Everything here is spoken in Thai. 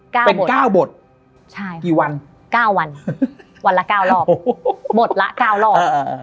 เก้าเป็นเก้าบทใช่กี่วันเก้าวันวันละเก้ารอบบทละเก้ารอบเออ